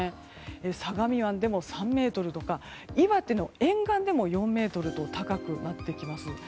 相模湾でも３ｍとか岩手の沿岸でも４ｍと高くなってきます。